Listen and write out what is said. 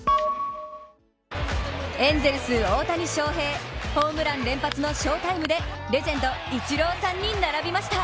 エンゼルス・大谷翔平、ホームラン連発の翔タイムでレジェンド・イチローさんに並びました。